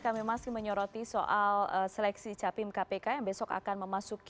kami masih menyoroti soal seleksi capim kpk yang besok akan berikan di jerman